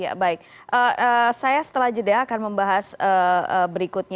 ya baik saya setelah jeda akan membahas berikutnya